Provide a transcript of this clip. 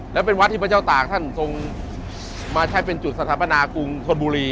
แล้วเป็นวัดที่พระเจ้าต่างท่านทงมาใช้เป็นจุดสัตว์ภาณากรุงศนบุรี